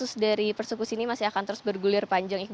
kasus dari persekusi ini masih akan terus bergulir panjang